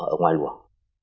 ở ngoài luồng